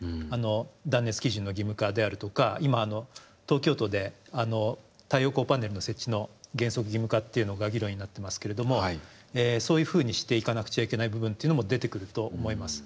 断熱基準の義務化であるとか今東京都で太陽光パネルの設置の原則義務化っていうのが議論になってますけれどもそういうふうにしていかなくちゃいけない部分というのも出てくると思います。